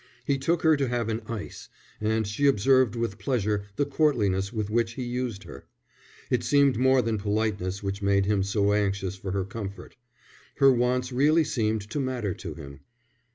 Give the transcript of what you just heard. He took her to have an ice, and she observed with pleasure the courtliness with which he used her. It seemed more than politeness which made him so anxious for her comfort. Her wants really seemed to matter to him.